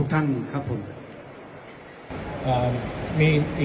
คุณอยู่ในโรงพยาบาลนะ